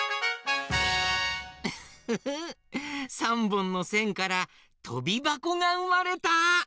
３ぼんのせんからとびばこがうまれた！